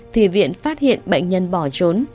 thì viện phát hiện bệnh nhân bỏ trốn